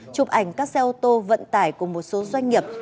chụp ảnh các xe ô tô vận tải của một số doanh nghiệp